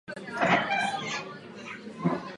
Často vytvářejí husté a rozsáhlé porosty.